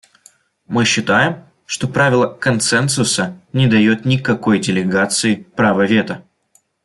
Мы считаем, что правило консенсуса не дает никакой делегации права вето.